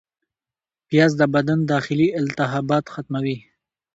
پیاز د بدن داخلي التهابات ختموي